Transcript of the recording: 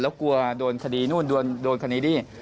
แล้วกลัวโดนคดีโดนคณิดี้